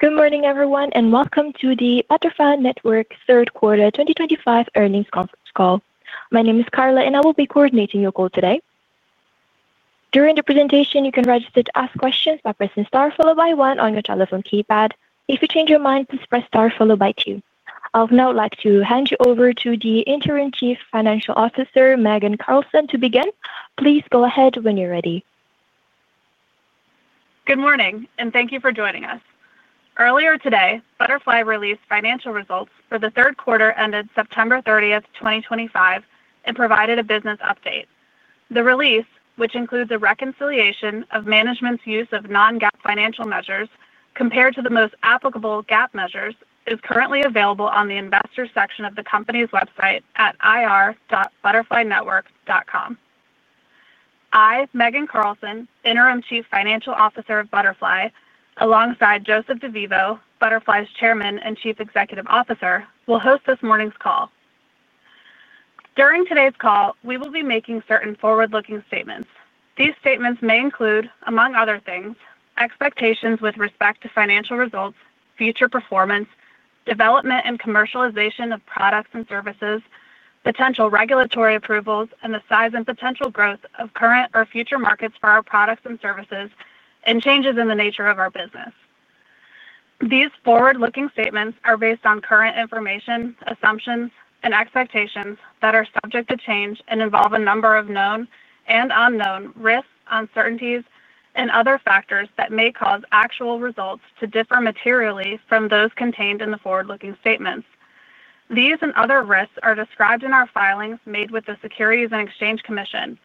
Good morning, everyone, and welcome to the Butterfly Network third quarter 2025 earnings conference call. My name is Carla, and I will be coordinating your call today. During the presentation, you can register to ask questions by pressing star followed by one on your telephone keypad. If you change your mind, please press star followed by two. I would now like to hand you over to the Interim Chief Financial Officer, Megan Carlson, to begin. Please go ahead when you're ready. Good morning, and thank you for joining us. Earlier today, Butterfly released financial results for the third quarter ended September 30th, 2025, and provided a business update. The release, which includes a reconciliation of management's use of non-GAAP financial measures compared to the most applicable GAAP measures, is currently available on the investor section of the company's website at ir.butterflynetwork.com. I, Megan Carlson, Interim Chief Financial Officer of Butterfly, alongside Joseph DeVivo, Butterfly's Chairman and Chief Executive Officer, will host this morning's call. During today's call, we will be making certain forward-looking statements. These statements may include, among other things, expectations with respect to financial results, future performance, development and commercialization of products and services, potential regulatory approvals, and the size and potential growth of current or future markets for our products and services, and changes in the nature of our business. These forward-looking statements are based on current information, assumptions, and expectations that are subject to change and involve a number of known and unknown risks, uncertainties, and other factors that may cause actual results to differ materially from those contained in the forward-looking statements. These and other risks are described in our filings made with the Securities and Exchange Commission.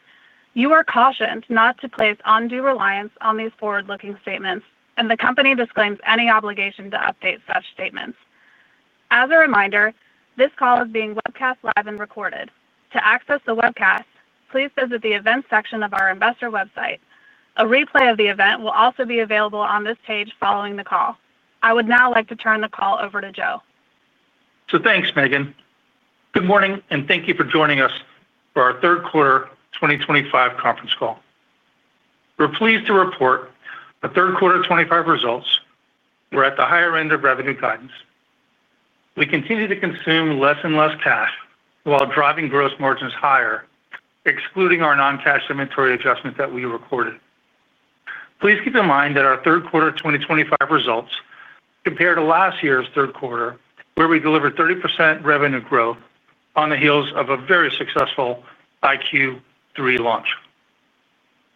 You are cautioned not to place undue reliance on these forward-looking statements, and the company disclaims any obligation to update such statements. As a reminder, this call is being webcast live and recorded. To access the webcast, please visit the events section of our investor website. A replay of the event will also be available on this page following the call. I would now like to turn the call over to Joe. Thank you, Megan. Good morning, and thank you for joining us for our third quarter 2025 conference call. We're pleased to report the third quarter 2025 results were at the higher end of revenue guidance. We continue to consume less and less cash while driving gross margins higher, excluding our non-cash inventory adjustment that we recorded. Please keep in mind that our third quarter 2025 results compare to last year' third quarter, where we delivered 30% revenue growth on the heels of a very successful iQ3 launch.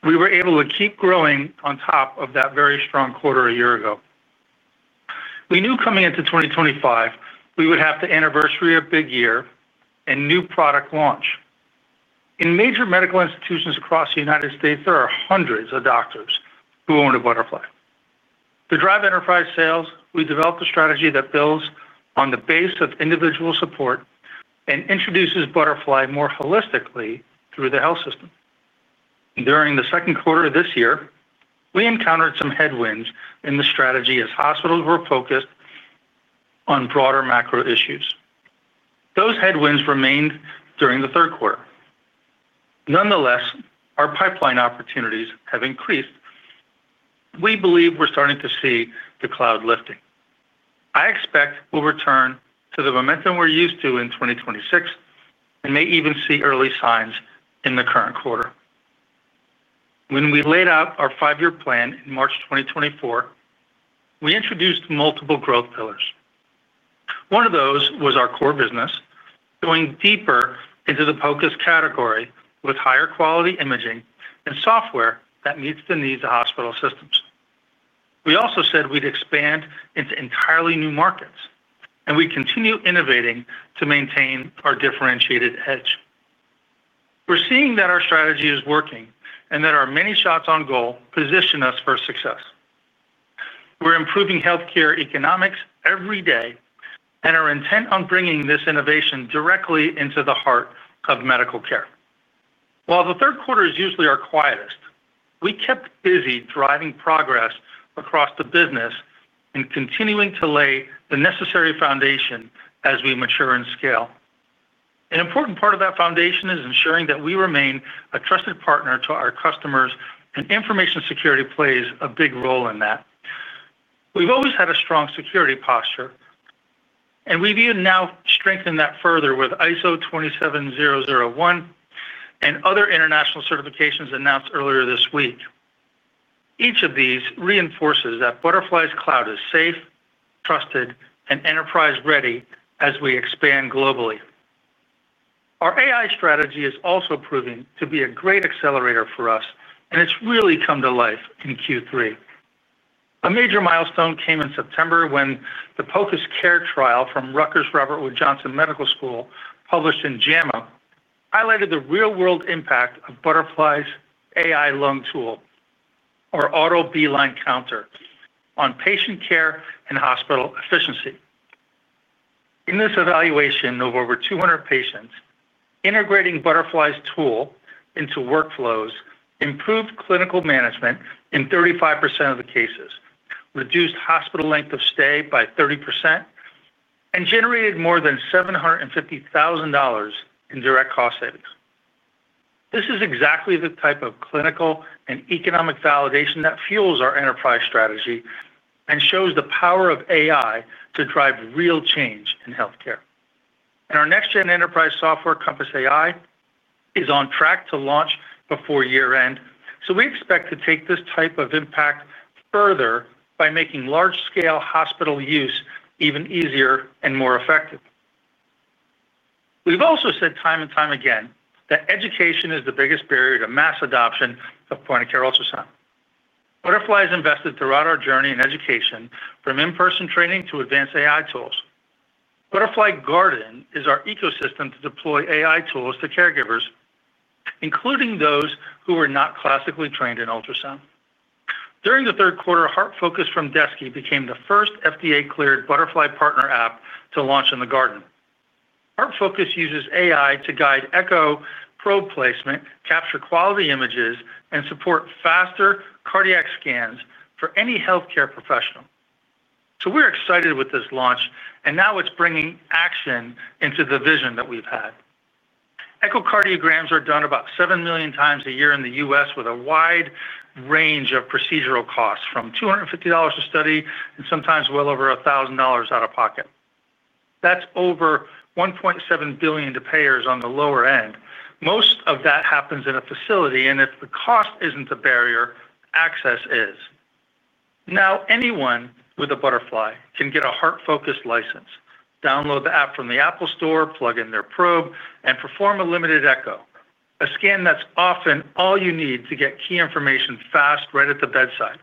We were able to keep growing on top of that very strong quarter a year ago. We knew coming into 2025, we would have the anniversary of a big year and new product launch. In major medical institutions across the United States, there are hundreds of doctors who own a Butterfly. To drive enterprise sales, we developed a strategy that builds on the base of individual support and introduces Butterfly more holistically through the health system. During the second quarter of this year, we encountered some headwinds in the strategy as hospitals were focused on broader macro issues. Those headwinds remained during the third quarter. Nonetheless, our pipeline opportunities have increased. We believe we're starting to see the cloud lifting. I expect we'll return to the momentum we're used to in 2026 and may even see early signs in the current quarter. When we laid out our five-year plan in March 2024, we introduced multiple growth pillars. One of those was our core business, going deeper into the focus category with higher quality imaging and software that meets the needs of hospital systems. We also said we'd expand into entirely new markets, and we continue innovating to maintain our differentiated edge. We're seeing that our strategy is working and that our many shots on goal position us for success. We're improving healthcare economics every day and are intent on bringing this innovation directly into the heart of medical care. While the third quarters usually are quietest, we kept busy driving progress across the business and continuing to lay the necessary foundation as we mature and scale. An important part of that foundation is ensuring that we remain a trusted partner to our customers, and information security plays a big role in that. We've always had a strong security posture, and we've even now strengthened that further with ISO 27001 and other international certifications announced earlier this week. Each of these reinforces that Butterfly's cloud is safe, trusted, and enterprise-ready as we expand globally. Our AI strategy is also proving to be a great accelerator for us, and it's really come to life in Q3. A major milestone came in September when the POCUS-CARE Trial from Rutgers Robert Wood Johnson Medical School, published in JAMA, highlighted the real-world impact of Butterfly's AI lung tool, or auto beeline counter, on patient care and hospital efficiency. In this evaluation of over 200 patients, integrating Butterfly's tool into workflows improved clinical management in 35% of the cases and reduced hospital length of stay by 30%. It generated more than $750,000 in direct cost savings. This is exactly the type of clinical and economic validation that fuels our enterprise strategy and shows the power of AI to drive real change in healthcare. Our next-gen enterprise software, Compass AI, is on track to launch before year-end. We expect to take this type of impact further by making large-scale hospital use even easier and more effective. We've also said time and time again that education is the biggest barrier to mass adoption of point-of-care ultrasound. Butterfly has invested throughout our journey in education, from in-person training to advanced AI tools. Butterfly Garden is our ecosystem to deploy AI tools to caregivers, including those who are not classically trained in ultrasound. During the third quarter, HeartFocus from DESKi became the first FDA-cleared Butterfly partner app to launch in the Garden. HeartFocus uses AI to guide echo probe placement, capture quality images, and support faster cardiac scans for any healthcare professional. We're excited with this launch, and now it's bringing action into the vision that we've had. Echocardiograms are done about 7 million times a year in the U.S., with a wide range of procedural costs from $250 a study and sometimes well over $1,000 out of pocket. That's over $1.7 billion to payers on the lower end. Most of that happens in a facility, and if the cost isn't a barrier, access is. Now, anyone with a Butterfly can get a HeartFocus license, download the app from the App Store, plug in their probe, and perform a limited echo, a scan that's often all you need to get key information fast right at the bedside.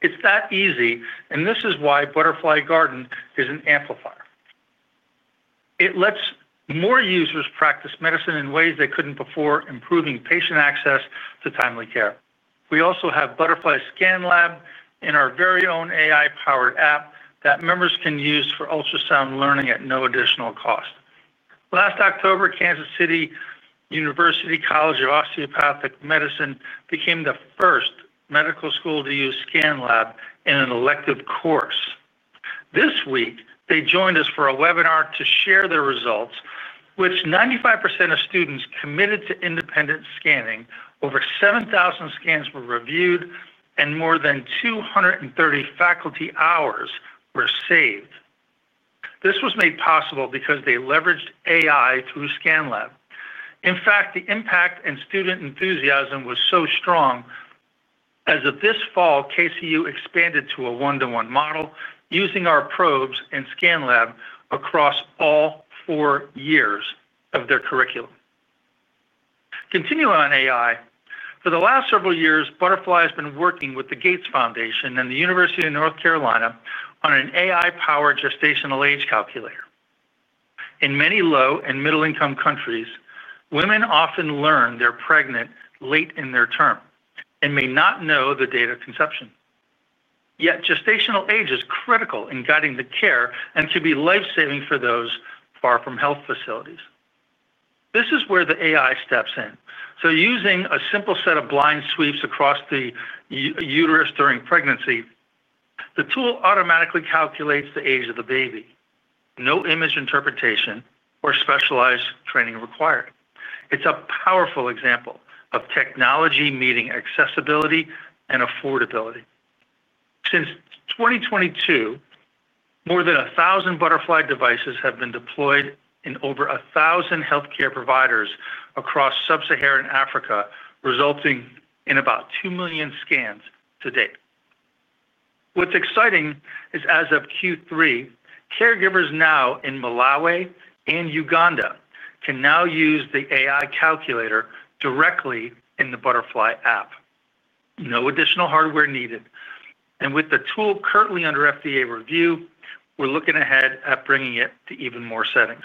It's that easy, and this is why Butterfly Garden is an amplifier. It lets more users practice medicine in ways they couldn't before, improving patient access to timely care. We also have Butterfly ScanLab in our very own AI-powered app that members can use for ultrasound learning at no additional cost. Last October, Kansas City University College of Osteopathic Medicine became the first medical school to use ScanLab in an elective course. This week, they joined us for a webinar to share their results, with 95% of students committed to independent scanning. Over 7,000 scans were reviewed, and more than 230 faculty hours were saved. This was made possible because they leveraged AI through ScanLab. In fact, the impact and student enthusiasm was so strong that as of this fall, KCU expanded to a one-to-one model using our probes and ScanLab across all four years of their curriculum. Continuing on AI, for the last several years, Butterfly has been working with the Gates Foundation and the University of North Carolina on an AI-powered gestational age calculator. In many low and middle-income countries, women often learn they're pregnant late in their term and may not know the date of conception. Yet gestational age is critical in guiding the care and can be lifesaving for those far from health facilities. This is where the AI steps in. Using a simple set of blind sweeps across the uterus during pregnancy, the tool automatically calculates the age of the baby. No image interpretation or specialized training required. It's a powerful example of technology meeting accessibility and affordability. Since 2022, more than 1,000 Butterfly devices have been deployed in over 1,000 healthcare providers across sub-Saharan Africa, resulting in about 2 million scans to date. What's exciting is, as of Q3, caregivers in Malawi and Uganda can now use the AI calculator directly in the Butterfly app. No additional hardware needed. With the tool currently under FDA review, we're looking ahead at bringing it to even more settings.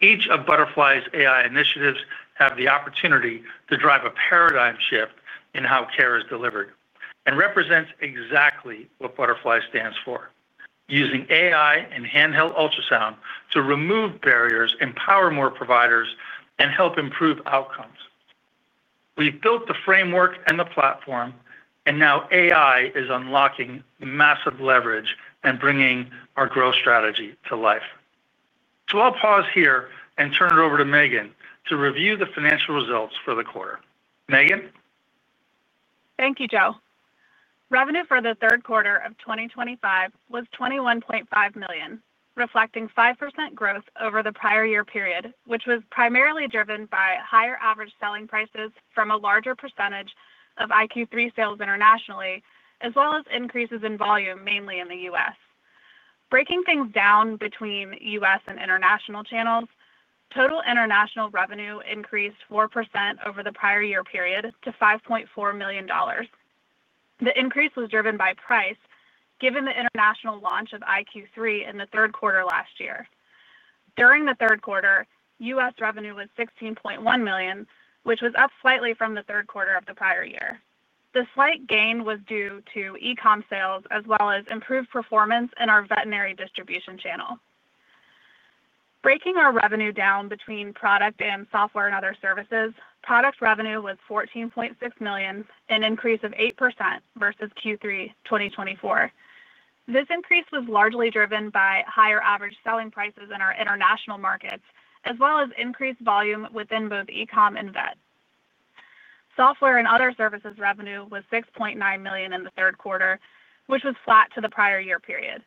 Each of Butterfly's AI initiatives has the opportunity to drive a paradigm shift in how care is delivered and represents exactly what Butterfly stands for: using AI and handheld ultrasound to remove barriers, empower more providers, and help improve outcomes. We've built the framework and the platform, and now AI is unlocking massive leverage and bringing our growth strategy to life. I'll pause here and turn it over to Megan to review the financial results for the quarter. Megan? Thank you, Joe. Revenue for the third quarter of 2025 was $21.5 million, reflecting 5% growth over the prior year period, which was primarily driven by higher average selling prices from a larger percentage of iQ3 sales internationally, as well as increases in volume, mainly in the U.S. Breaking things down between U.S. and international channels, total international revenue increased 4% over the prior year period to $5.4 million. The increase was driven by price, given the international launch of iQ3 in the third quarter last year. During the third quarter, U.S. revenue was $16.1 million, which was up slightly from the third quarter of the prior year. The slight gain was due to e-commerce sales, as well as improved performance in our veterinary distribution channel. Breaking our revenue down between product and software and other services, product revenue was $14.6 million, an increase of 8% versus Q3 2024. This increase was largely driven by higher average selling prices in our international markets, as well as increased volume within both e-commerce and veterinary. Software and other services revenue was $6.9 million in the third quarter, which was flat to the prior year period.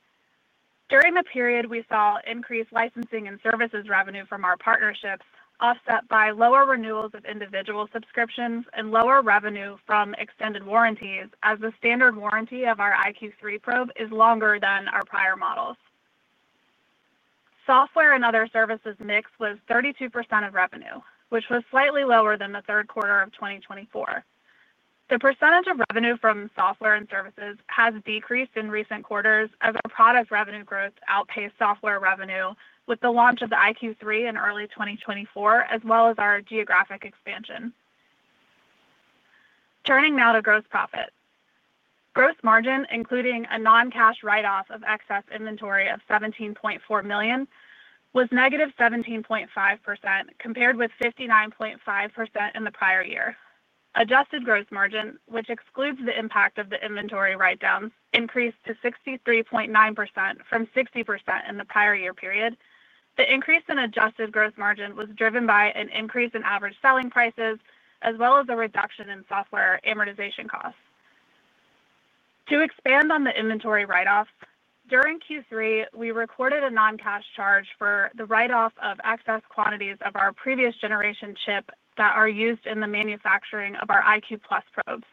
During the period, we saw increased licensing and services revenue from our partnerships, offset by lower renewals of individual subscriptions and lower revenue from extended warranties, as the standard warranty of our iQ3 probe is longer than our prior models. Software and other services mix was 32% of revenue, which was slightly lower than the third quarter of 2024. The percentage of revenue from software and services has decreased in recent quarters as our product revenue growth outpaced software revenue with the launch of the iQ3 in early 2024, as well as our geographic expansion. Turning now to gross profit. Gross margin, including a non-cash inventory write-off of excess inventory of $17.4 million, was negative 17.5% compared with 59.5% in the prior year. Adjusted gross margin, which excludes the impact of the inventory write-downs, increased to 63.9% from 60% in the prior year period. The increase in adjusted gross margin was driven by an increase in average selling prices, as well as a reduction in software amortization costs. To expand on the inventory write-off, during Q3, we recorded a non-cash charge for the write-off of excess quantities of our previous generation chip that are used in the manufacturing of our iQ+ probes.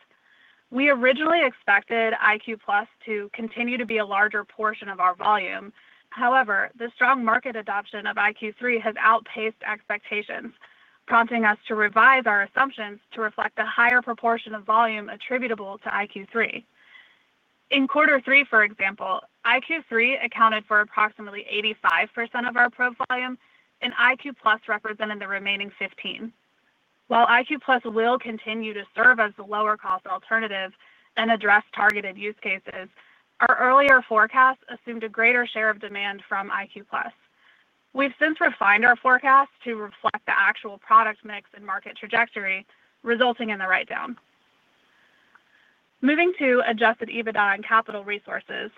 We originally expected iQ+ to continue to be a larger portion of our volume. However, the strong market adoption of iQ3 has outpaced expectations, prompting us to revise our assumptions to reflect a higher proportion of volume attributable to iQ3. In quarter three, for example, iQ3 accounted for approximately 85% of our probe volume, and iQ+ represented the remaining 15%. While iQ+ will continue to serve as the lower-cost alternative and address targeted use cases, our earlier forecasts assumed a greater share of demand from iQ+. We've since refined our forecast to reflect the actual product mix and market trajectory, resulting in the write-down. Moving to adjusted EBITDA and capital resources.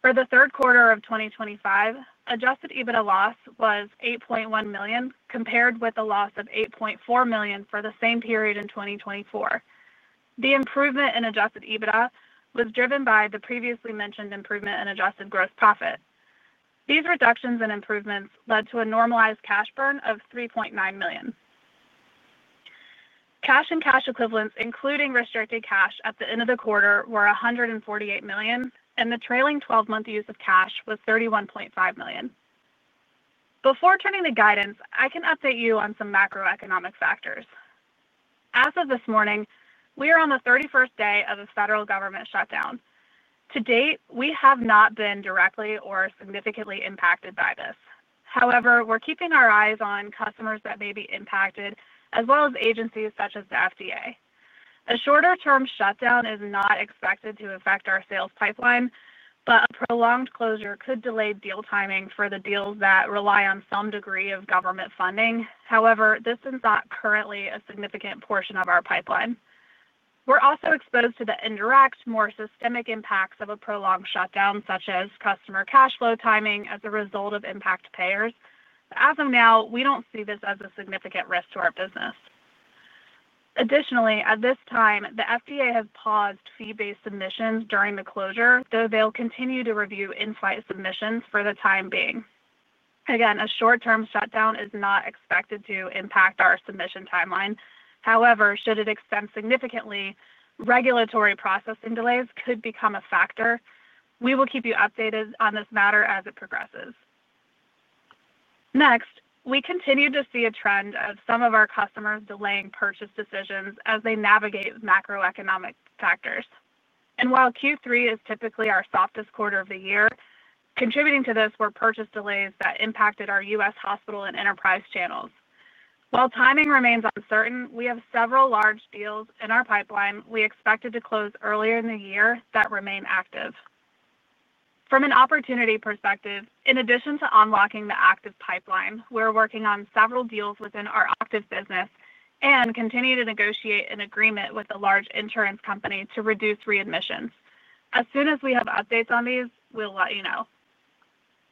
For the third quarter of 2025, adjusted EBITDA loss was $8.1 million compared with a loss of $8.4 million for the same period in 2024. The improvement in adjusted EBITDA was driven by the previously mentioned improvement in adjusted gross profit. These reductions and improvements led to a normalized cash burn of $3.9 million. Cash and cash equivalents, including restricted cash, at the end of the quarter were $148 million, and the trailing 12-month use of cash was $31.5 million. Before turning to guidance, I can update you on some macroeconomic factors. As of this morning, we are on the 31st day of a federal government shutdown. To date, we have not been directly or significantly impacted by this. However, we're keeping our eyes on customers that may be impacted, as well as agencies such as the FDA. A shorter-term shutdown is not expected to affect our sales pipeline, but a prolonged closure could delay deal timing for the deals that rely on some degree of government funding. However, this is not currently a significant portion of our pipeline. We're also exposed to the indirect, more systemic impacts of a prolonged shutdown, such as customer cash flow timing as a result of impact to payers. As of now, we don't see this as a significant risk to our business. Additionally, at this time, the FDA has paused fee-based submissions during the closure, though they'll continue to review in-flight submissions for the time being. Again, a short-term shutdown is not expected to impact our submission timeline. However, should it extend significantly, regulatory processing delays could become a factor. We will keep you updated on this matter as it progresses. Next, we continue to see a trend of some of our customers delaying purchase decisions as they navigate macroeconomic factors. While Q3 is typically our softest quarter of the year, contributing to this were purchase delays that impacted our U.S. hospital and enterprise channels. While timing remains uncertain, we have several large deals in our pipeline we expected to close earlier in the year that remain active. From an opportunity perspective, in addition to unlocking the active pipeline, we're working on several deals within our active business and continue to negotiate an agreement with a large insurance company to reduce readmissions. As soon as we have updates on these, we'll let you know.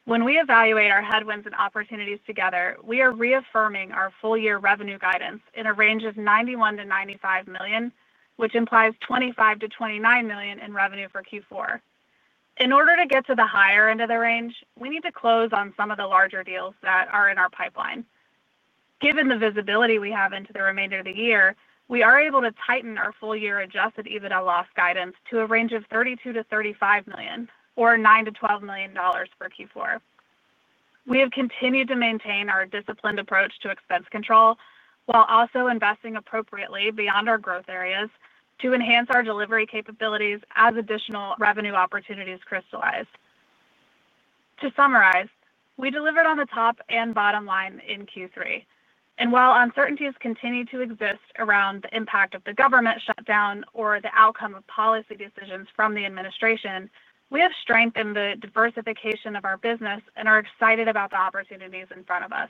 When we evaluate our headwinds and opportunities together, we are reaffirming our full-year revenue guidance in a range of $91 million-$95 million, which implies $25 million-$29 million in revenue for Q4. In order to get to the higher end of the range, we need to close on some of the larger deals that are in our pipeline. Given the visibility we have into the remainder of the year, we are able to tighten our full-year adjusted EBITDA loss guidance to a range of $32 million-$35 million, or $9 million-$12 million for Q4. We have continued to maintain our disciplined approach to expense control while also investing appropriately beyond our growth areas to enhance our delivery capabilities as additional revenue opportunities crystallize. To summarize, we delivered on the top and bottom line in Q3. While uncertainties continue to exist around the impact of the government shutdown or the outcome of policy decisions from the administration, we have strengthened the diversification of our business and are excited about the opportunities in front of us.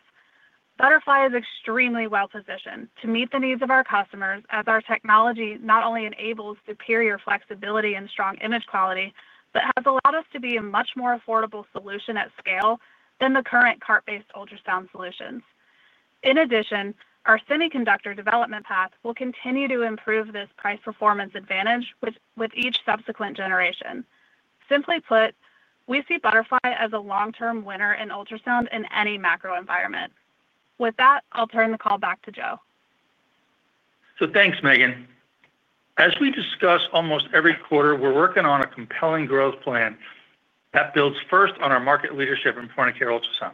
Butterfly is extremely well-positioned to meet the needs of our customers, as our technology not only enables superior flexibility and strong image quality, but has allowed us to be a much more affordable solution at scale than the current cart-based ultrasound solutions. In addition, our semiconductor development path will continue to improve this price-performance advantage with each subsequent generation. Simply put, we see Butterfly as a long-term winner in ultrasound in any macro environment. With that, I'll turn the call back to Joe. Thanks, Megan. As we discuss almost every quarter, we're working on a compelling growth plan that builds first on our market leadership in point-of-care ultrasound.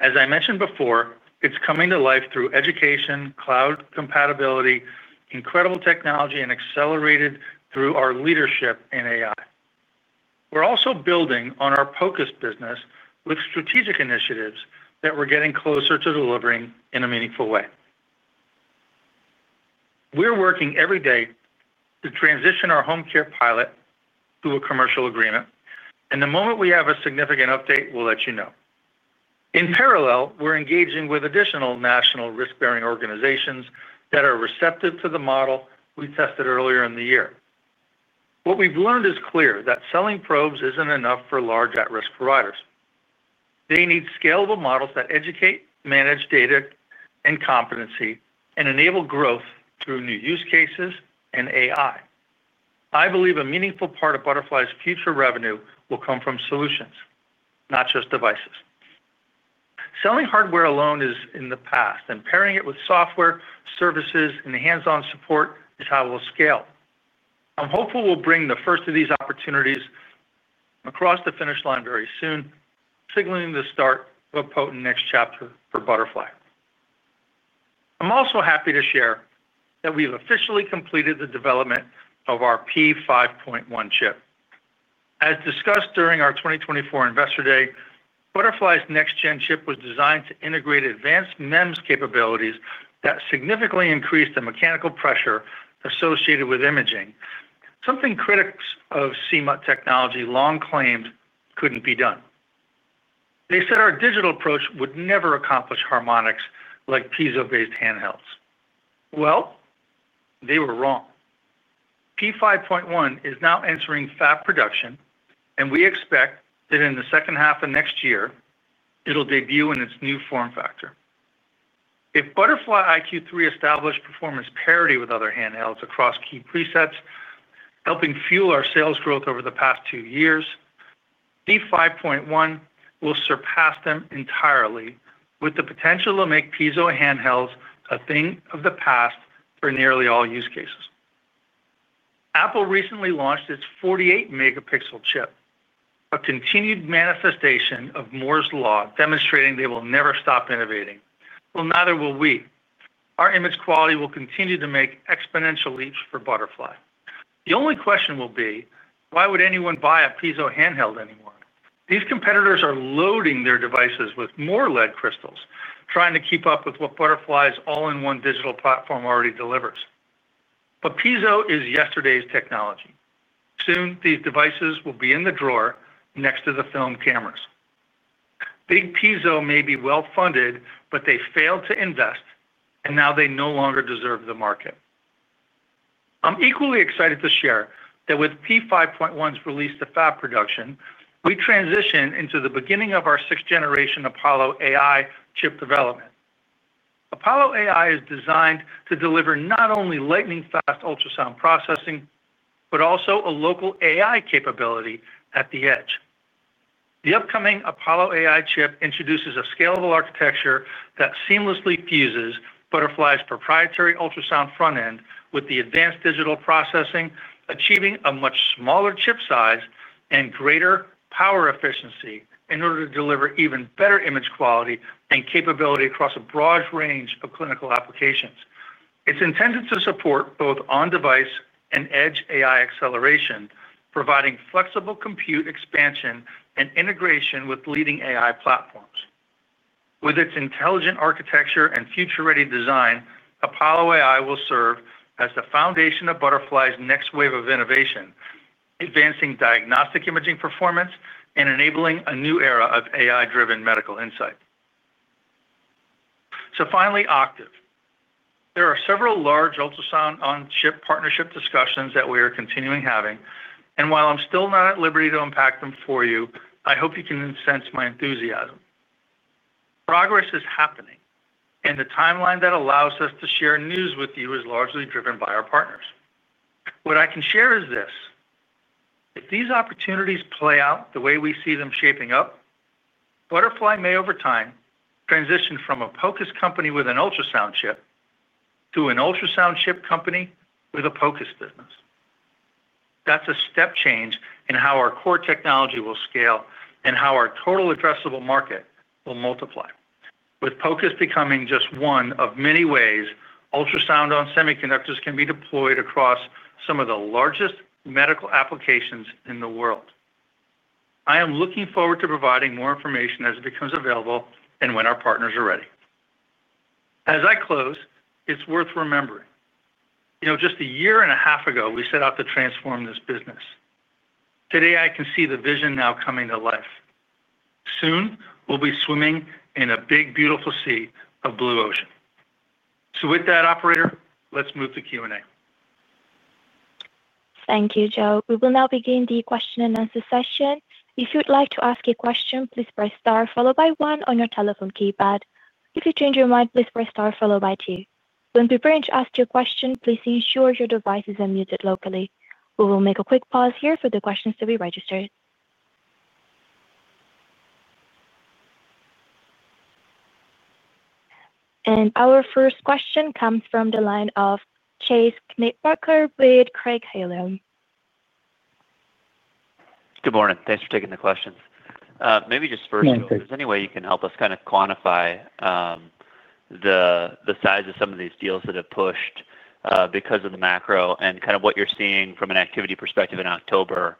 As I mentioned before, it's coming to life through education, cloud compatibility, incredible technology, and accelerated through our leadership in AI. We're also building on our focus business with strategic initiatives that we're getting closer to delivering in a meaningful way. We're working every day to transition our HomeCare pilot to a commercial agreement. The moment we have a significant update, we'll let you know. In parallel, we're engaging with additional national risk-bearing organizations that are receptive to the model we tested earlier in the year. What we've learned is clear: selling probes isn't enough for large at-risk providers. They need scalable models that educate, manage data and competency, and enable growth through new use cases and AI. I believe a meaningful part of Butterfly's future revenue will come from solutions, not just devices. Selling hardware alone is in the past, and pairing it with software services and hands-on support is how we'll scale. I'm hopeful we'll bring the first of these opportunities across the finish line very soon, signaling the start of a potent next chapter for Butterfly. I'm also happy to share that we've officially completed the development of our P5.1 chip. As discussed during our 2024 Investor Day, Butterfly's next-gen chip was designed to integrate advanced MEMS capabilities that significantly increased the mechanical pressure associated with imaging, something critics of CMUT technology long claimed couldn't be done. They said our digital approach would never accomplish harmonics like piezo-based handhelds. They were wrong. P5.1 is now entering fab production, and we expect that in the second half of next year, it'll debut in its new form factor. If Butterfly iQ3 established performance parity with other handhelds across key presets, helping fuel our sales growth over the past two years, P5.1 will surpass them entirely, with the potential to make piezo handhelds a thing of the past for nearly all use cases. Apple recently launched its 48-megapixel chip, a continued manifestation of Moore's Law, demonstrating they will never stop innovating. Neither will we. Our image quality will continue to make exponential leaps for Butterfly. The only question will be, why would anyone buy a piezo handheld anymore? These competitors are loading their devices with more lead crystals, trying to keep up with what Butterfly's all-in-one digital platform already delivers. Piezo is yesterday's technology. Soon, these devices will be in the drawer next to the film cameras. Big piezo may be well-funded, but they failed to invest, and now they no longer deserve the market. I'm equally excited to share that with P5.1's release to fab production, we transition into the beginning of our sixth-generation Apollo AI chip development. Apollo AI is designed to deliver not only lightning-fast ultrasound processing, but also a local AI capability at the edge. The upcoming Apollo AI chip introduces a scalable architecture that seamlessly fuses Butterfly's proprietary ultrasound front end with the advanced digital processing, achieving a much smaller chip size and greater power efficiency in order to deliver even better image quality and capability across a broad range of clinical applications. It's intended to support both on-device and edge AI acceleration, providing flexible compute expansion and integration with leading AI platforms. With its intelligent architecture and future-ready design, Apollo AI will serve as the foundation of Butterfly's next wave of innovation, advancing diagnostic imaging performance and enabling a new era of AI-driven medical insight. Finally, Octiv. There are several large ultrasound-on-chip partnership discussions that we are continuing having. While I'm still not at liberty to unpack them for you, I hope you can sense my enthusiasm. Progress is happening, and the timeline that allows us to share news with you is largely driven by our partners. What I can share is this. If these opportunities play out the way we see them shaping up, Butterfly may, over time, transition from a focus company with an ultrasound chip to an ultrasound chip company with a focus business. That's a step change in how our core technology will scale and how our total addressable market will multiply, with focus becoming just one of many ways ultrasound-on-semiconductors can be deployed across some of the largest medical applications in the world. I am looking forward to providing more information as it becomes available and when our partners are ready. As I close, it's worth remembering. Just a year and a half ago, we set out to transform this business. Today, I can see the vision now coming to life. Soon, we'll be swimming in a big, beautiful sea of blue ocean. With that, operator, let's move to Q&A. Thank you, Joe. We will now begin the question-and-answer session. If you'd like to ask a question, please press star followed by one on your telephone keypad. If you change your mind, please press star followed by two. When we bring you to ask your question, please ensure your device is unmuted locally. We will make a quick pause here for the questions to be registered. Our first question comes from the line of Chase Knickerbocker with Craig-Hallum. Good morning. Thanks for taking the questions. Maybe just first, Joe, if there's any way you can help us kind of quantify the size of some of these deals that have pushed because of the macro and kind of what you're seeing from an activity perspective in October.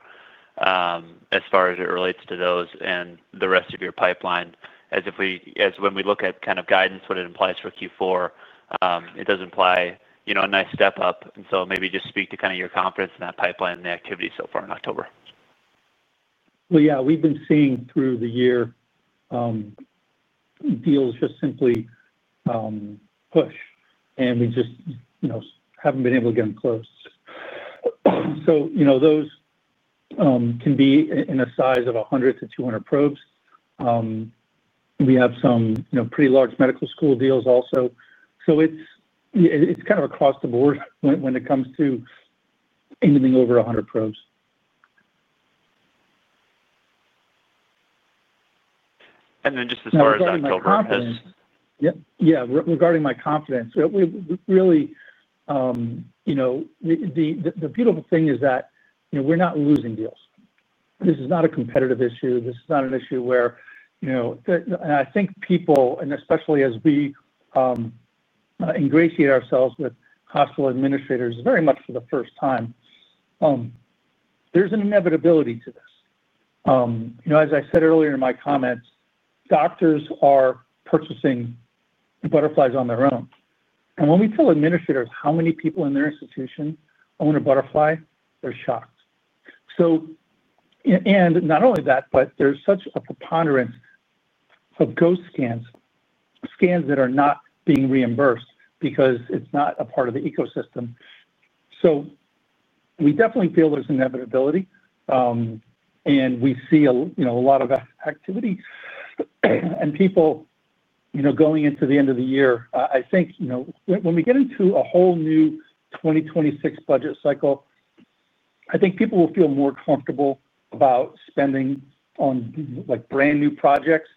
As far as it relates to those and the rest of your pipeline, when we look at kind of guidance, what it implies for Q4, it does imply a nice step up. Maybe just speak to your confidence in that pipeline and the activity so far in October. We've been seeing through the year, deals just simply push, and we just haven't been able to get them close. Those can be in a size of 100 to 200 probes. We have some pretty large medical school deals also. It's kind of across the board when it comes to anything over 100 probes. As far as October has. Yeah, regarding my confidence. Really, the beautiful thing is that we're not losing deals. This is not a competitive issue. This is not an issue where I think people, and especially as we ingratiate ourselves with hospital administrators very much for the first time, there's an inevitability to this. As I said earlier in my comments, doctors are purchasing Butterflies on their own. When we tell administrators how many people in their institution own a Butterfly, they're shocked. Not only that, but there's such a preponderance of ghost scans, scans that are not being reimbursed because it's not a part of the ecosystem. We definitely feel there's inevitability, and we see a lot of activity. People going into the end of the year, I think when we get into a whole new 2026 budget cycle, I think people will feel more comfortable about spending on brand new projects.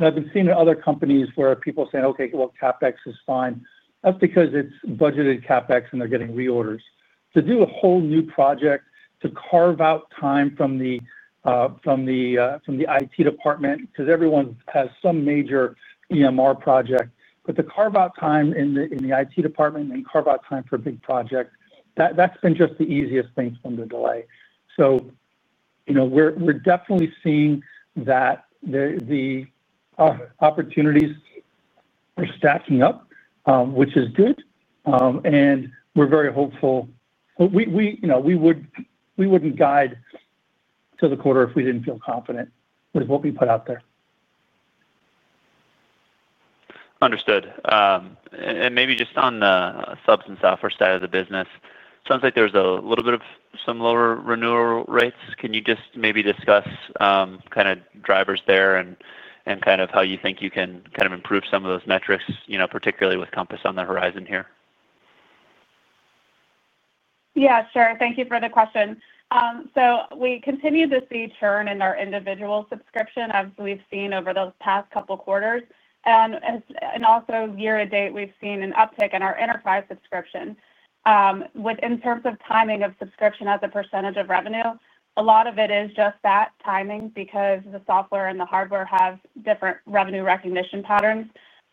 I've been seeing other companies where people are saying, "Okay, well, CapEx is fine." That's because it's budgeted CapEx and they're getting reorders. To do a whole new project, to carve out time from the IT department, because everyone has some major EMR project, but to carve out time in the IT department and carve out time for a big project, that's been just the easiest thing for them to delay. We're definitely seeing that. The opportunities are stacking up, which is good, and we're very hopeful. We wouldn't guide to the quarter if we didn't feel confident with what we put out there. Understood. Maybe just on the subs and software side of the business, it sounds like there's a little bit of some lower renewal rates. Can you just maybe discuss kind of drivers there and kind of how you think you can kind of improve some of those metrics, particularly with Compass on the horizon here? Thank you for the question. We continue to see churn in our individual subscription as we've seen over the past couple of quarters. Also, year to date, we've seen an uptick in our enterprise subscription. In terms of timing of subscription as a percentage of revenue, a lot of it is just that timing because the software and the hardware have different revenue recognition patterns.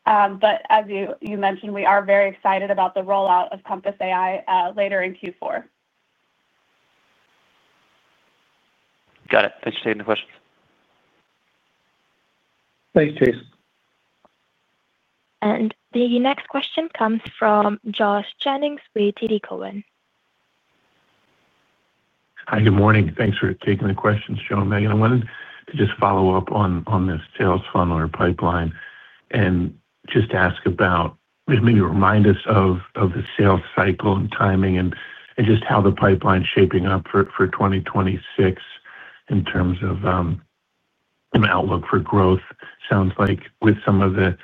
As you mentioned, we are very excited about the rollout of Compass AI later in Q4. Got it. Thanks for taking the questions. Thanks, Chase. The next question comes from Josh Jennings with TD Cowen. Hi, good morning. Thanks for taking the question, Joe. Megan, I wanted to just follow up on this sales funnel or pipeline and just ask about maybe remind us of the sales cycle and timing and just how the pipeline is shaping up for 2026 in terms of an outlook for growth. It sounds like with some of the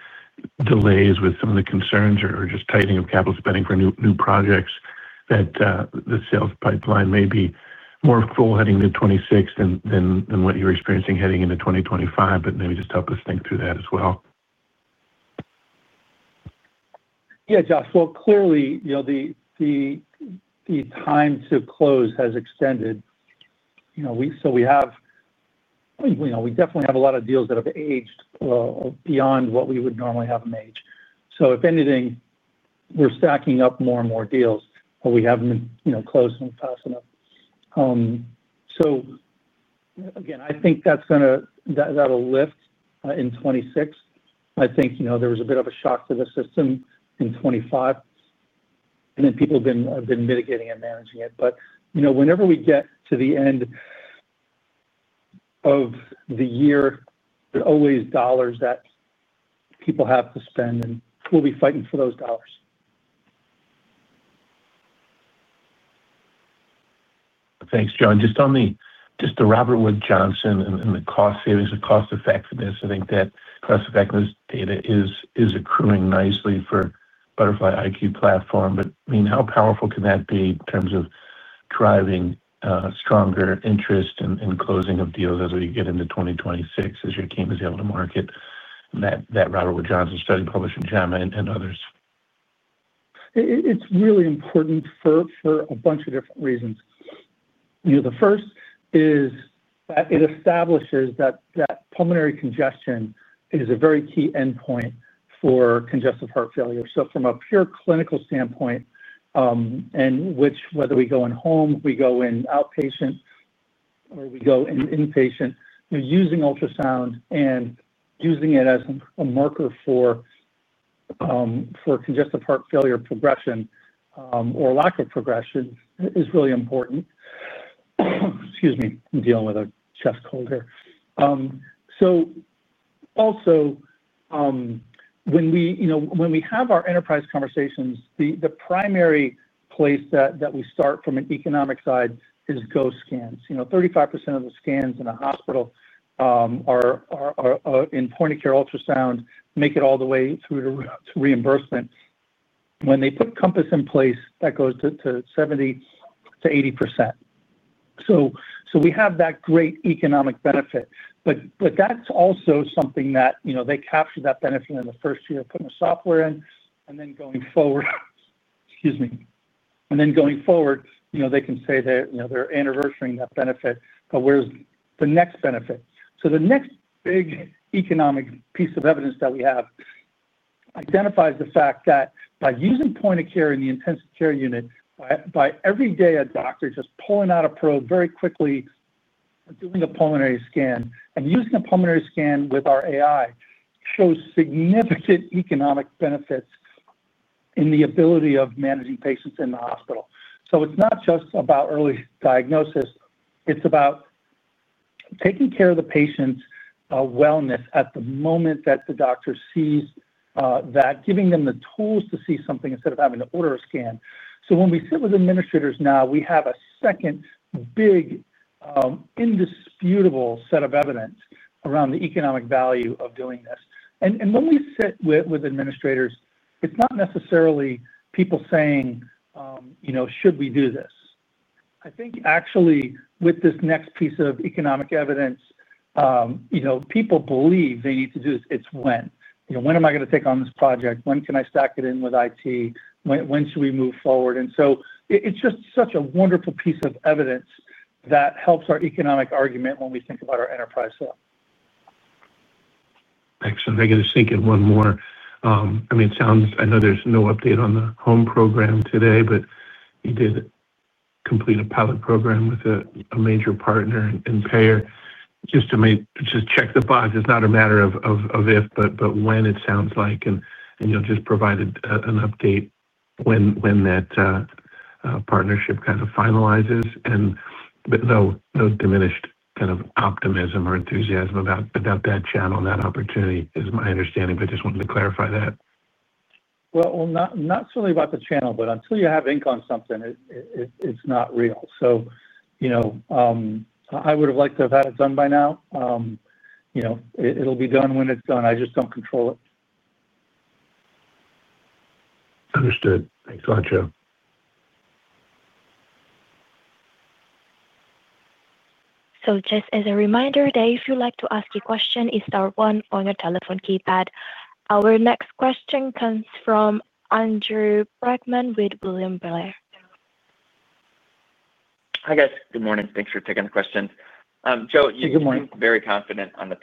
delays, with some of the concerns or just tightening of capital spending for new projects, that the sales pipeline may be more full heading into 2026 than what you're experiencing heading into 2025, but maybe just help us think through that as well. Yeah, Josh. Clearly, the time to close has extended. We definitely have a lot of deals that have aged beyond what we would normally have them age. If anything, we're stacking up more and more deals, but we haven't closed them fast enough. I think that'll lift in 2026. I think there was a bit of a shock to the system in 2025, and people have been mitigating and managing it. Whenever we get to the end of the year, there are always dollars that people have to spend, and we'll be fighting for those dollars. Thanks, Joe. To Robert Wood Johnson and the cost savings and cost-effectiveness, I think that cost-effectiveness data is accruing nicely for Butterfly iQ platform. I mean, how powerful can that be in terms of driving stronger interest and closing of deals as we get into 2026, as your team is able to market that Robert Wood Johnson study published in JAMA and others? It's really important for a bunch of different reasons. The first is that it establishes that pulmonary congestion is a very key endpoint for congestive heart failure. From a pure clinical standpoint, whether we go in home, we go in outpatient, or we go in inpatient, using ultrasound and using it as a marker for congestive heart failure progression or lack of progression is really important. Excuse me, I'm dealing with a chest cold here. Also, when we have our enterprise conversations, the primary place that we start from an economic side is ghost scans. 35% of the scans in a hospital are in point-of-care ultrasound, make it all the way through to reimbursement. When they put Compass in place, that goes to 70% to 80%. We have that great economic benefit. That's also something that they capture in the first year of putting the software in and then going forward. Excuse me. Going forward, they can say they're anniversarying that benefit, but where's the next benefit? The next big economic piece of evidence that we have identifies the fact that by using point-of-care in the intensive care unit, by every day a doctor just pulling out a probe very quickly, doing a pulmonary scan and using a pulmonary scan with our AI shows significant economic benefits in the ability of managing patients in the hospital. It's not just about early diagnosis. It's about taking care of the patient's wellness at the moment that the doctor sees that, giving them the tools to see something instead of having to order a scan. When we sit with administrators now, we have a second big indisputable set of evidence around the economic value of doing this. When we sit with administrators, it's not necessarily people saying, "Should we do this?" I think actually with this next piece of economic evidence, people believe they need to do this. It's when. When am I going to take on this project? When can I stack it in with IT? When should we move forward? It's just such a wonderful piece of evidence that helps our economic argument when we think about our enterprise sale. Thanks. I'm thinking of sinking one more. I mean, it sounds, I know there's no update on the HomeCare program today, but you did complete a pilot program with a major partner and payer just to check the box. It's not a matter of if, but when, it sounds like. You'll just provide an update when that partnership kind of finalizes. No diminished kind of optimism or enthusiasm about that channel, that opportunity, is my understanding. I just wanted to clarify that. Certainly not about the channel, but until you have ink on something, it's not real. I would have liked to have had it done by now. It'll be done when it's done. I just don't control it. Understood. Thanks a lot, Joe. Just as a reminder, if you'd like to ask a question, it's star one on your telephone keypad. Our next question comes from Andrew Brackmann with William Blair. Hi, guys. Good morning. Thanks for taking the question. Joe, you seem very confident on the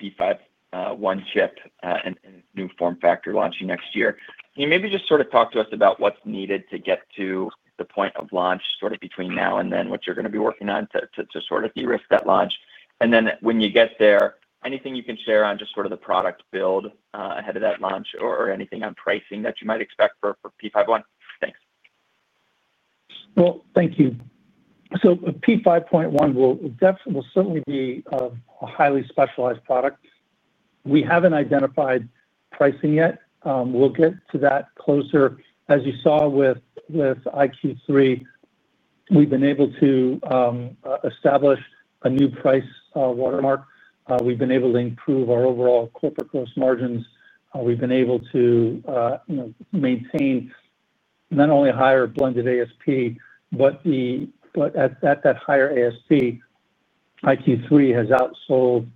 P5.1 chip and new form factor launching next year. Can you maybe just sort of talk to us about what's needed to get to the point of launch between now and then, what you're going to be working on to de-risk that launch? When you get there, anything you can share on the product build ahead of that launch or anything on pricing that you might expect for P5.1? Thanks. Thank you. P5.1 will certainly be a highly specialized product. We haven't identified pricing yet. We'll get to that closer. As you saw with iQ3, we've been able to establish a new price watermark. We've been able to improve our overall corporate gross margins. We've been able to maintain not only a higher blended ASP, but at that higher ASP, iQ3 has outsold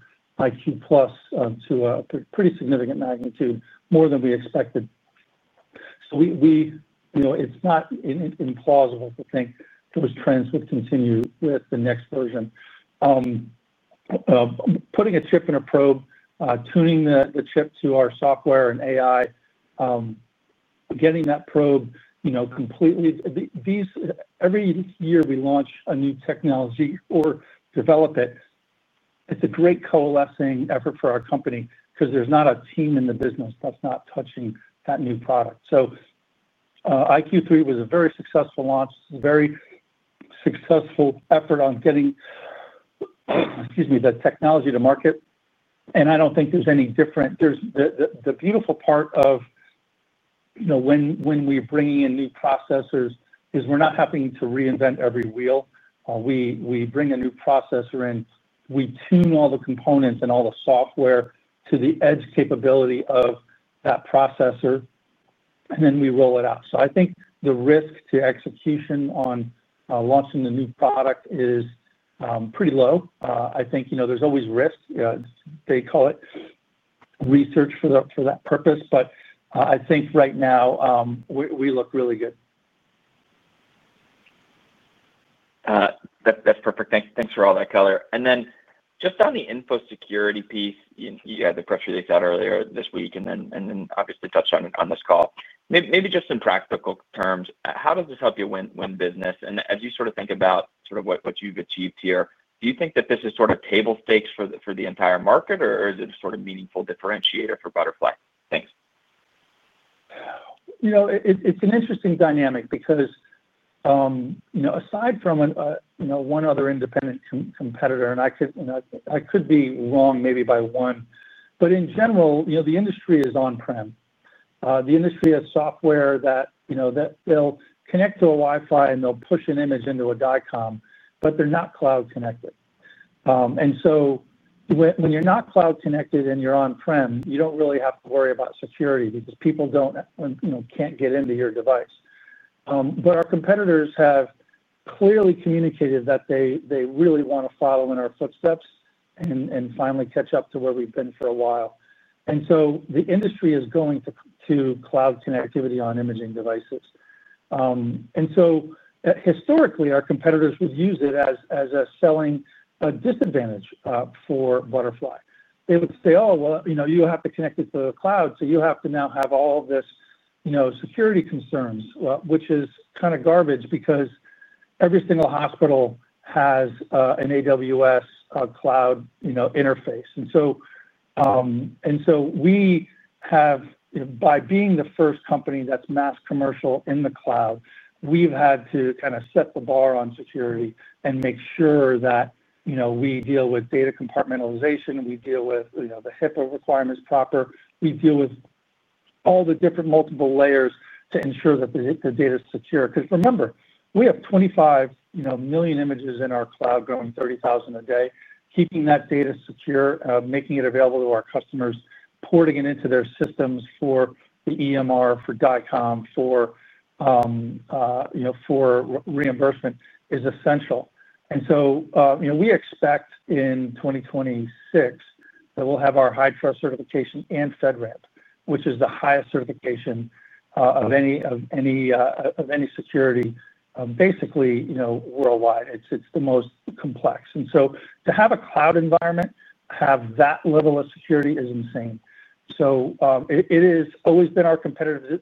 iQ+ to a pretty significant magnitude, more than we expected. It's not implausible to think those trends would continue with the next version. Putting a chip in a probe, tuning the chip to our software and AI, getting that probe completely. Every year we launch a new technology or develop it. It's a great coalescing effort for our company because there's not a team in the business that's not touching that new product. iQ3 was a very successful launch, a very successful effort on getting, excuse me, the technology to market. I don't think there's any different. The beautiful part of when we're bringing in new processors is we're not having to reinvent every wheel. We bring a new processor in, we tune all the components and all the software to the edge capability of that processor, and then we roll it out. I think the risk to execution on launching the new product is pretty low. I think there's always risk. They call it research for that purpose. I think right now we look really good. That's perfect. Thanks for all that color. On the info security piece, you had the press release out earlier this week and obviously touched on this call. Maybe just in practical terms, how does this help you win business? As you sort of think about what you've achieved here, do you think that this is table stakes for the entire market, or is it a meaningful differentiator for Butterfly? Thanks. It's an interesting dynamic because aside from one other independent competitor, and I could be wrong maybe by one, but in general, the industry is on-prem. The industry has software that they'll connect to a Wi-Fi and they'll push an image into a DICOM, but they're not cloud connected. When you're not cloud connected and you're on-prem, you don't really have to worry about security because people can't get into your device. Our competitors have clearly communicated that they really want to follow in our footsteps and finally catch up to where we've been for a while. The industry is going to cloud connectivity on imaging devices. Historically, our competitors would use it as a selling disadvantage for Butterfly. They would say, "Oh, well, you have to connect it to the cloud, so you have to now have all of this security concerns," which is kind of garbage because every single hospital has an AWS cloud interface. We have, by being the first company that's mass commercial in the cloud, had to kind of set the bar on security and make sure that we deal with data compartmentalization. We deal with the HIPAA requirements proper. We deal with all the different multiple layers to ensure that the data is secure. Remember, we have 25 million images in our cloud going 30,000 a day. Keeping that data secure, making it available to our customers, porting it into their systems for the EMR, for DICOM, for reimbursement is essential. We expect in 2026 that we'll have our HIPAA certification and FedRAMP, which is the highest certification of any security, basically worldwide. It's the most complex. To have a cloud environment, have that level of security is insane. It has always been our competitive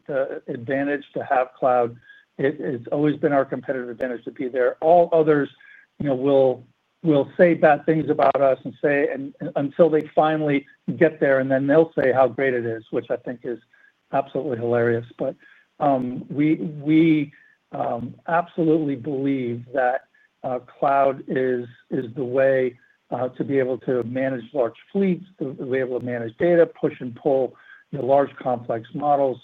advantage to have cloud. It's always been our competitive advantage to be there. All others will say bad things about us until they finally get there, and then they'll say how great it is, which I think is absolutely hilarious. We absolutely believe that cloud is the way to be able to manage large fleets, to be able to manage data, push and pull large complex models,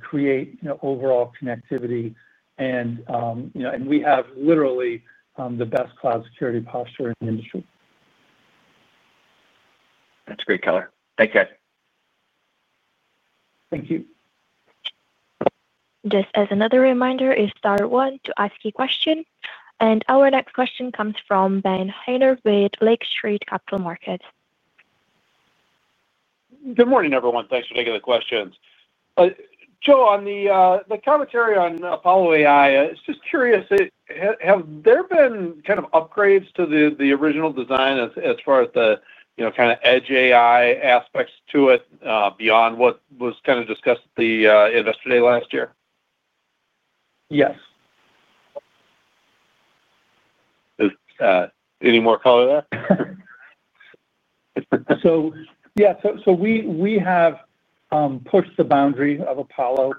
create overall connectivity. We have literally the best cloud security posture in the industry. That's great, color. Thank you, guys. Thank you. Just as another reminder, it's our one to ask you questions. Our next question comes from Ben Haynor with Lake Street Capital Markets. Good morning, everyone. Thanks for taking the questions. Joe, on the commentary on Apollo AI, I was just curious. Have there been upgrades to the original design as far as the edge AI aspects to it beyond what was discussed at the Investor Day last year? Yes. Any more color, there? We have pushed the boundary of Apollo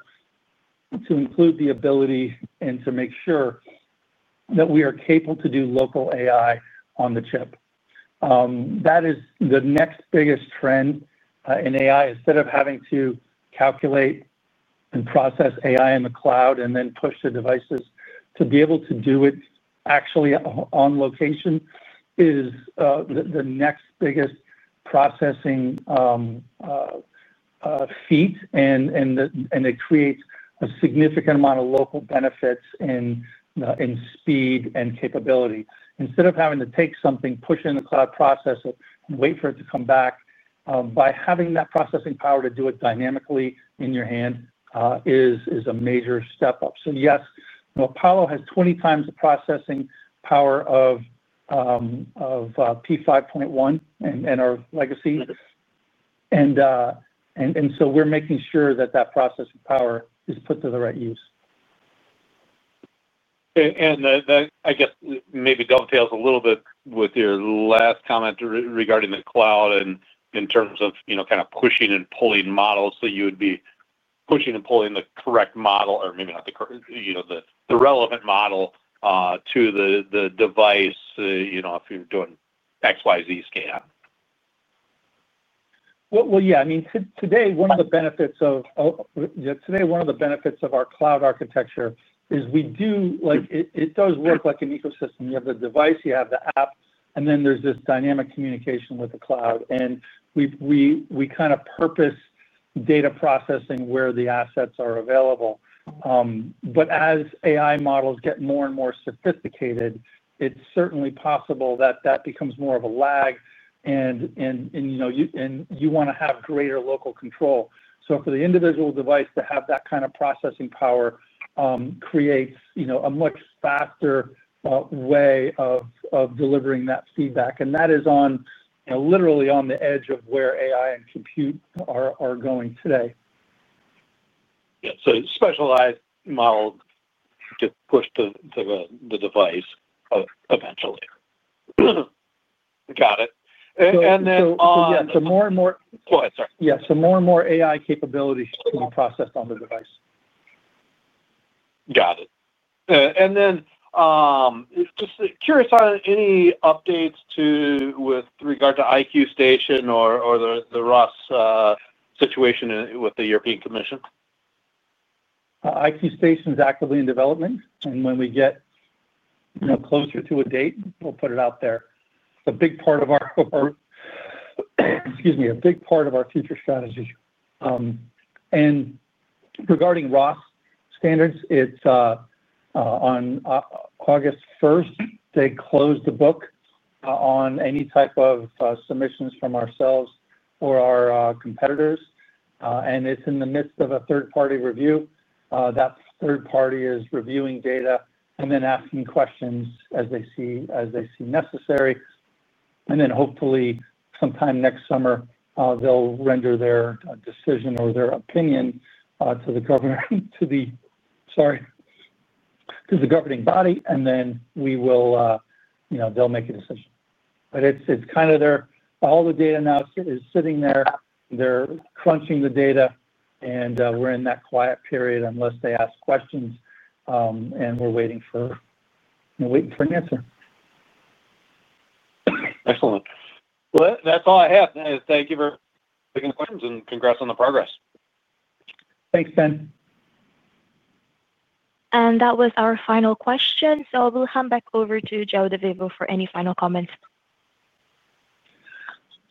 to include the ability and to make sure that we are capable to do local AI on the chip. That is the next biggest trend in AI. Instead of having to calculate and process AI in the cloud and then push the devices to be able to do it actually on location is the next biggest processing feat, and it creates a significant amount of local benefits in speed and capability. Instead of having to take something, push it in the cloud, process it, and wait for it to come back, by having that processing power to do it dynamically in your hand is a major step up. Yes, Apollo has 20x the processing power of P5.1 and our legacy. We are making sure that that processing power is put to the right use. I guess maybe dovetails a little bit with your last comment regarding the cloud, and in terms of kind of pushing and pulling models, that you would be pushing and pulling the correct model, or maybe not the relevant model to the device if you're doing XYZ scan. Today, one of the benefits of our cloud architecture is we do work like an ecosystem. You have the device, you have the app, and then there's this dynamic communication with the cloud. We kind of purpose data processing where the assets are available. As AI models get more and more sophisticated, it's certainly possible that that becomes more of a lag. You want to have greater local control. For the individual device to have that kind of processing power creates a much faster way of delivering that feedback. That is literally on the edge of where AI and compute are going today. Specialized models just push to the device eventually. Got it. Then. Yeah, more and more. Go ahead, sorry. Yeah, more and more AI capabilities can be processed on the device. Got it. Just curious on any updates with regard to iQ Station or the RoHS situation with the European Commission? iQ Station is actively in development. When we get closer to a date, we'll put it out there. A big part of our future strategy. Regarding RoHS standards, on August 1, they close the book on any type of submissions from ourselves or our competitors. It's in the midst of a third-party review. That third party is reviewing data and then asking questions as they see necessary. Hopefully, sometime next summer, they'll render their decision or their opinion to the governing body, and then we will. They'll make a decision. All the data now is sitting there. They're crunching the data, and we're in that quiet period unless they ask questions. We're waiting for an answer. Excellent. That's all I have. Thank you for taking the questions and congrats on the progress. Thanks, Ben. That was our final question. We will hand back over to Joe DeVivo for any final comments.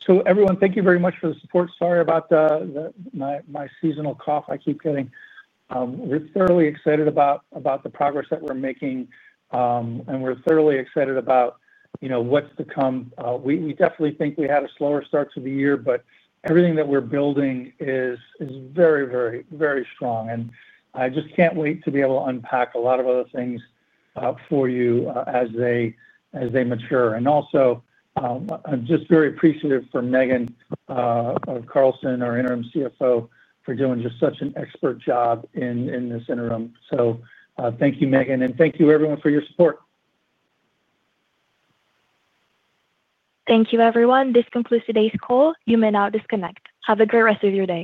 Thank you very much for the support. Sorry about my seasonal cough I keep getting. We're thoroughly excited about the progress that we're making, and we're thoroughly excited about what's to come. We definitely think we had a slower start to the year, but everything that we're building is very, very, very strong. I just can't wait to be able to unpack a lot of other things for you as they mature. I'm just very appreciative for Megan Carlson, our Interim CFO, for doing just such an expert job in this interim. Thank you, Megan, and thank you, everyone, for your support. Thank you, everyone. This concludes today's call. You may now disconnect. Have a great rest of your day.